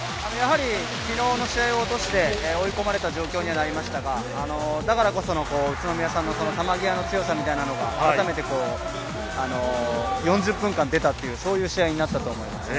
昨日の試合を落として、追い込まれた状況にはなりましたが、だからこその宇都宮さんの球際の強さ、改めて４０分間、出たという試合になったと思います。